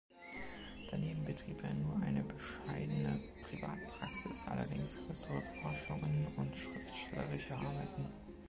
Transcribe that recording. Daneben betrieb er nur eine bescheidene Privatpraxis, allerdings größere Forschungen und schriftstellerische Arbeiten.